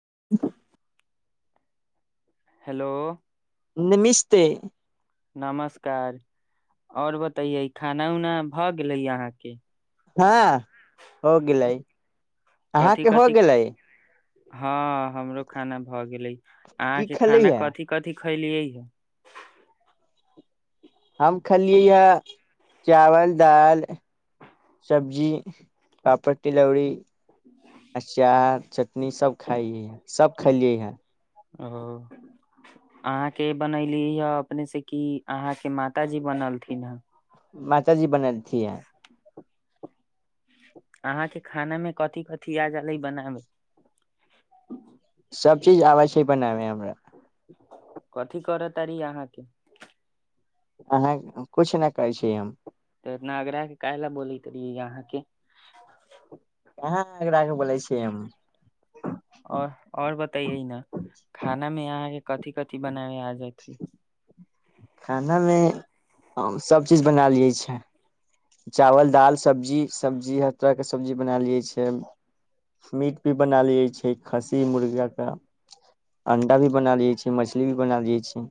[unintelligible] Hello निमिस्ते नमस्कार आओर बतैये खाना उना भऽ गेलै अहाँके हँ हो गेलै कथि अहाँके हो कथि गेलै हँ हमरो खाना भऽ गेलै। की अहाँके खेली खाना मे हे कथी कथी खलियै हे हम खलियै ये चावल दाल सब्जी पापड़ तिलौरी आचार चटनी सभ खाइै सभ खेलियै हे ओ अहाँके बनली हे अपने से कि अहाँके माताजी बनलथिन ह माताजी बलैंखिन छी अहाँके खाना मे कथी कथी आ जालै बनाब सभ चीज आबै छै बनामे हमरा कथी करत आरी अहाँके अहाँ कुछ नहि करै छी हम इना आगराह के काह लए बोलैत रहिय यहाँके कहा अग्रा के बोलै छिय और और कथी कथी बनाब आ जाइ खानामे सभ चीज बना लै छै। चावल दाल सब्जी सब्जी हर तरहके सब्जी बना लै छै। मीट भी बना लै छै। खस्सी मुर्गाके अंडा भी बना लै छै। मछली भी बना लै छै।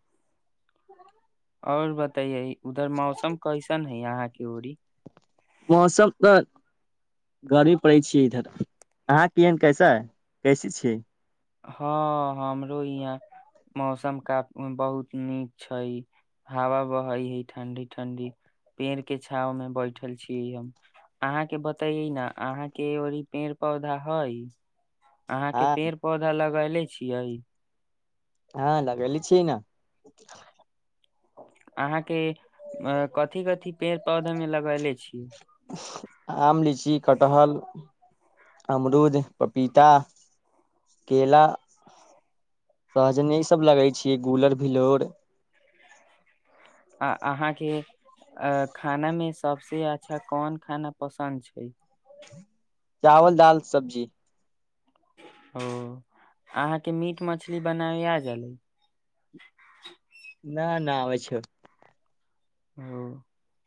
आओर बताै उधर मौसम कैसन है यहा क हो मौसम तऽ गर्मी पड़ै छै। इधर अहाँ किहन कैसे कैसे छियै हँ हमरो यहाँ मौसम काफ बहुत नीक छै। हवा बहै हइ ठंडी ठंडी पेड़ के छाव मे बैठल छीयै हम अहाँके बतैये न अहाँके ड़ पेड़ पौधा हइ अहाँके हँ पेड़ पौधा लगले छियै हँ लगेेली छिय ने अहाँ के अ कथी कथी पेड़ पौधा मे लगेले छियै आम लीची कटहल अमरूद पपीता केला सहजने ईसभ लगै छियै गुलर भिलोर आ अहाँके खानामे सभसँ अच्छा कोन खाना पसन्द छै। चावल दाल सब्जी ओ अहाँके मीट मछली बनाय गेलै न न आब छै ओ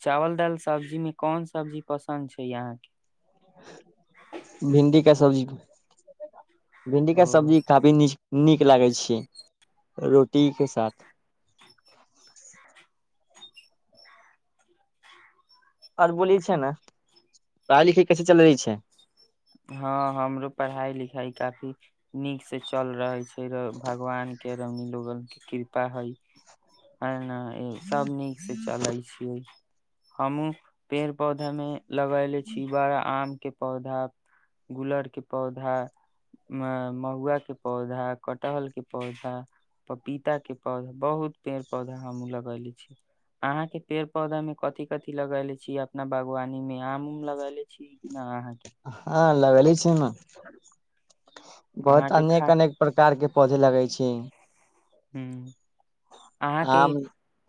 चावल दालि सब्जीमे कोन सब्जी पसन्द छै अहाँके भिंडी क सब्जी भिंडी के क ओ सब्जी काफी नीच नीक लागै छी रोटीक के साथ आर बोली छै ने पढ़ाइ लिखई कैसे चलै छै हँ हमरो पढ़ाई लिखाई काफी नीक से चल रहय छैय। भगवान केरामी लोग कृपा होइ ह सभ नीकसँ चलै छियै हमहुँ पेड़ पौधामे लगले छी बड़ा आम के पौधा गुलड़ के पौधा अ म महुआ के पौधा कटहर के पौधा पपीता के पौधा बहुत पेड़ पौधा हम लगले छी अहाँके पेड़ पौधामे कथि कथि लगैले छी अपना बागवानी मे आम उम लगले छी कि नहि अहाँ? के ह लगैले छी न। बहुत अहाँ के खा अनेक अनेक प्रकारके पौधे लगै छैय। हू आम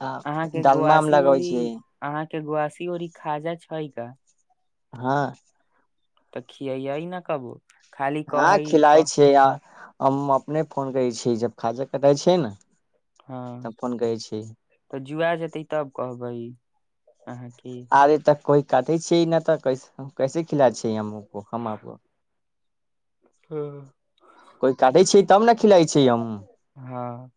आ के डालमा आम गोआसी ओरी लगाबै छीयै। अहाँ के गुआसी ओरी खाजा छैय का? हँ तऽ खीयइ न कबो। खाली हँ कहै खिलाय कह छीयै आ हम अपने फोन करै छी जब खाजा कटाइ छियै ने हँ त अपन गय छीयै। तऽ जुआ जेतै तब कहबै। अहाँके आबे त कोइ कातही छियै नहि तऽ कै कैसे खिला छियै हमो हमो को हँ कोइ काटय छी तब ने खिलाइ छी हम। हँ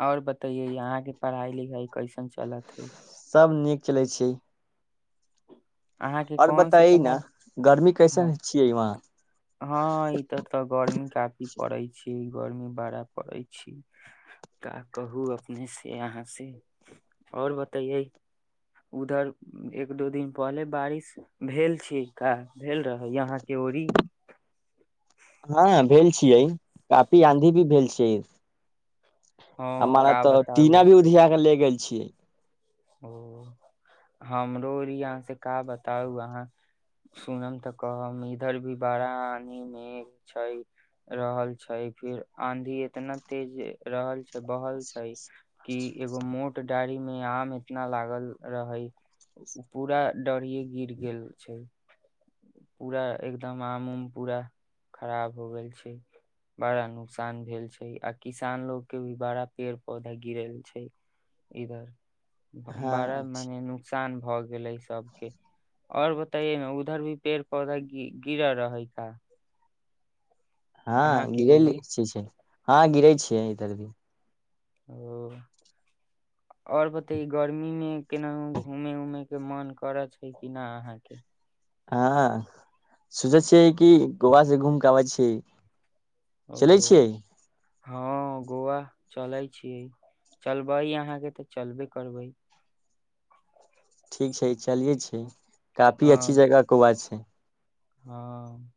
आओर बतैयय आंहां के पढ़ाई लिखाई कैसन चलत हइ? सब नीक चलै छैय। अहाँके कोनसी बताइ न कला गर्मी ह कैसन छियै वहाँ हँ ई तर तऽ गर्मी कफी पड़ै छैय गर्मी बड़ा पड़ै छी का कहु अपने से यहां से और बतैयय उधर एक दो दिन पहले बारिश भेल छैय का भेल रहै यहाँ के ओरी? हँ भेल छियै कपी आँधी भी भेल छियै। हँ हमारा का तऽ बताउ टीना भी उधिया के ले गेल छियै ओ हमरो ओरी अहाँ से का बताउ अहाँ सुनम तऽ कहब इधर भी बारा आधी मे छैय रहल छैय फिर आंधी एतना तेज रहल छैय बहल छैय कि एगो मोट डाड़ी मे आम तना लागल रहै ओ पूरा डरीये गिर गेल छैय। पूरा एकदम आम उम पूरा खराब हो गेल छैय बड़ा नुकसान भेल छैय आ किसान लोगके भी बड़ा पेड़ पौधा गिरल छैय इधर। हँ बार मने नुकसान भऽ गेलै सबके आओर बताइये न उ उधर भी पेड़ पौधा गी गिरल रहै का? अहाँ हँ के गेल ओरी छै हँ गेले छियै तरबी ओ आओर बतै गर्मी मे केनाहु घूमे उमे के मन करै छैय कि नहि अहाँके? हँ सोचै छियै कि गोवा से घूम के अबै छीयै। चलै ओ छियै? हँ गोवा चलै छी चलबै अहाँके तऽ चलबे करबै ठीक छै चलिये छै काफी हँ अच्छी जगह कआ छै हँ,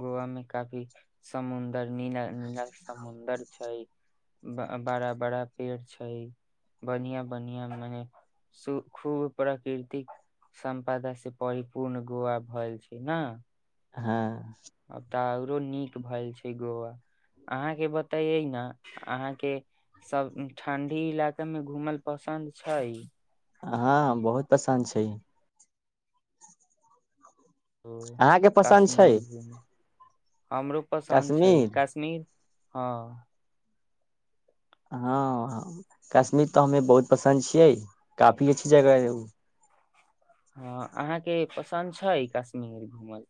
गोवामे काफी समुद्र छै। नीलक नीलक समुंद्र छै बड़ा बड़ा पेड़ छै। बढ़िया बढ़िया मने सु खूब प्रकृतिक सम्पदा से परिपूर्ण गोआा भ छै। ने हँ आब तऽ आओरो नीक भेलए छै। गोवा अहाँके बतैयै ने अहाँके सभ ठंढी इलाका मे घूमल पसन्द छै। हँ बहुत पसन्द छै अहाँके पसन्द छै कश्मीर घू हमरो पसन्द छै। कश्मीर कश्मीर हँ हँ कश्मीर तऽ हमे बहुत पसन्द छियै काफी अच्छी जगह है ओ हँ अहाँके पसन्द छै। कश्मीर घूमल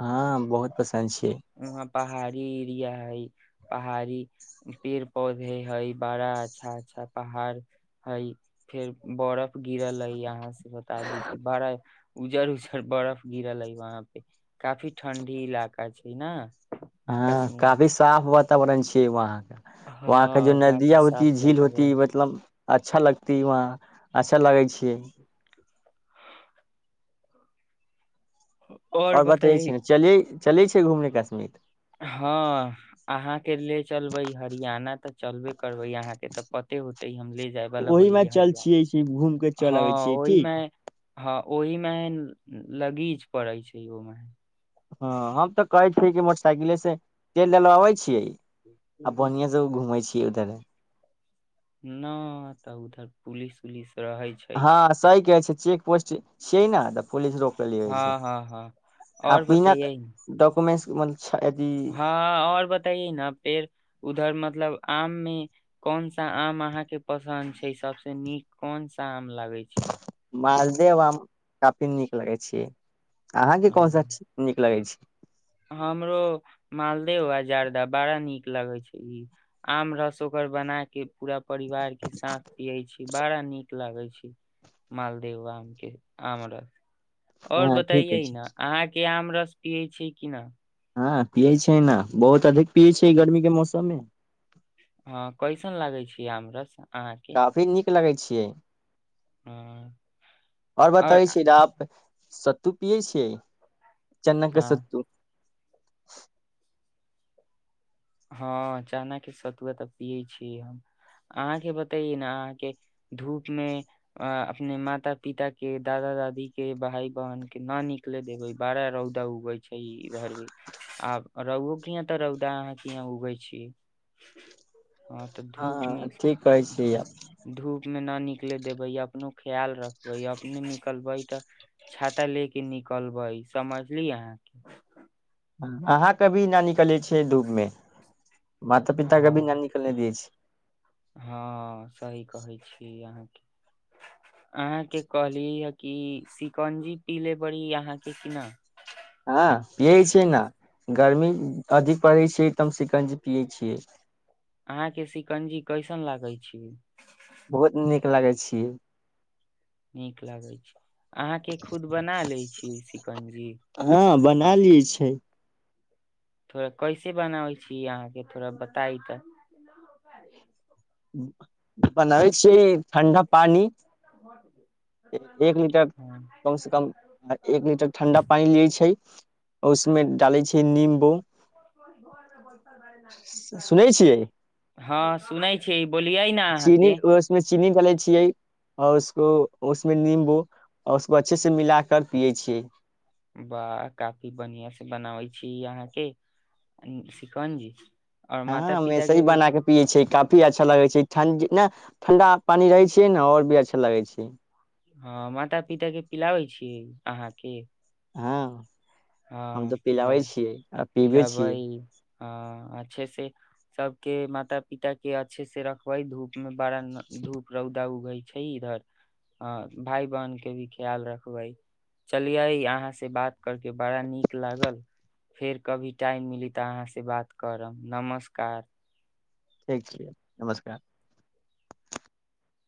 हँ बहुत पसन्द छियै वहाँ पहाड़ी ह पहाड़ी पेड़ पौधे हय बड़ा अच्छा अच्छा पहाड़ हई फेर बरफ गिरल है यहााँ बता दुखी भाड़ा उजर उजर बर्फ गिरा लै वहाँ पे काफी ठंडी इलाका छै ना हँ कश्मीर काफी साफ ब वातावरण छियै वहाँ वहाँके जो हाँ काफी नदिया होती साफ झील होती वातावरण मतलब अच्छा लगती वहा अच्छा लगै छियै और आओर बतै बतैयै छै ने चले चलै छै घुमनेके सममेत हँ अहाँके ले चलबै हरियाण तऽ चलबे बहाँके तऽ पे होतै ले जा ओहि मे चल ब छियै छी घूम के चल हँ अबै छियै ठीक ओहिमे ओहि मे लगीच पड़ै छै। ओहिमे हँ हम तऽ कहै छियै कि मोटरसाइकिले से चलि देल अबै छियै आ बढ़आ से घूमै छियै उधर न तऽ उ तऽ पुलिस उलिस रहै छै हँ सही कहै छै चेक पोस्ट शैनाद पलस रोपल होइ छै हँ हँ हँ आ आओर पीना बतैयै कुमेसत हँ आओर बताइए न फेर उधर मतलब आम मे कोन सा आम अहां के पसन्द छै सबस नीक कोन सा आम लागै छै मालदेव आम काफी नीक लगै छी अहाँके कौन सा हम्म। नीक लगै छै हमरो मालदेव आ जारदा बड़ा नीक लागै छै ई आम रस ओकर बना के पूरा परिवार के साथ पियै छी बड़ा नीक लागै छी मालदेव आमके आम रस आओर हँ ठीक बताैयै अछि न अहाँके आम रस पीयै छी कि न हँ पियै छियै ने बहुत अधिक पियै छियै गर्मी के मौसम मे हँ कैसन लागै छै आमरस काफी नीक लगै छै छियै हँ आओर और बताबै छी न आप सत्तू पियै छियै चना के हँ सत्तू [unintelligible] हँ चनाके सतुआ तऽ पियै छियै हम अहाँके बतैये ने अहाँके धूप मे अपने माता पिता के दादा दादी के भाय बहिनके न निकले देबै बड़ा रौदा उगै छै इधर भी आ रौओ के यहाँ तऽ रौदा अहाँ ई हां उगै छी हँ तऽ धूपमे हँ ठीक कहै छी आप धूप मे ना निकले देबै अपनो ख्याल रखबै अपने निकलबै तऽ छाता ले के निकलबै समझली अहाँके अहाँ के अभी न निकलै छियै धूपमे माता पिता के भी न हँ निकलै दैय छियै हँ सही कहै छी अहाँ अहाँके कहली ह कि शिकंजी पी ले बाड़ी अहाँके कि न हँ पीयै छियै न गर्मी अधिक पड़ै छै तऽ हम सिकंजी पियै छियै अहाँके सिकंजी कैसन लागे छै बहुत नीक लागै छियै नीक लागै छै अहाँके खुद बना लै छी सिकंजी का लियै छै थोड़ा कैसे बनाबै छी अहाँके थोड़ा बताई तऽ बनाबै छियै ठण्डा पानि एक लीटर कम से कम एक लीटर ठण्डा पानी लियै छै उसमे डालै छै नीम [unintelligible] सुनै छियै हँ सुनै छै चीनी उसमे चीनी गलैत छियै आओर उसको उसमे नींबू आओर उसको अच्छे से मिला कर पियै छियै वाह काफी बढ़ियां से बनाबै छियै अहाँके सिकंजी हँ हम ऐसे ही बना के पियै छियै काफी अच्छा लगै छै ठण्ड जितना ठण्डा पानि रहै छियै नऽ आओर भी अच्छा लगै छै हँ माता पिता के पिलाबै छियै अहाँके हँ हम हँ तऽ पिला पिलाबै छियै आ पीबै पिलाबै छियै हँ अच्छे से सबके माता पिता के अच्छे से रखबै धूप मे बारा न धूप रौदा उगई छै इधर आ भाय बहन के भी ख्याल रखबै चलियै अहाँ से बात करके के बड़ा नीक लागल फेर कभी टाइम मिली तऽ अहाँ से बात करब नमस्कार ठीक छै नमस्कार